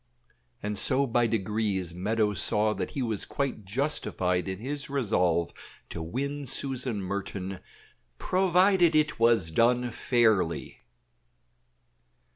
And so by degrees Meadows saw that he was quite justified in his resolve to win Susan Merton, PROVIDED IT WAS DONE FAIRLY.